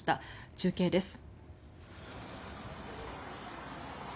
中継です。